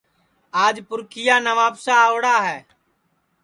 آج پُرکھِیا نوابسا آؤڑا ہے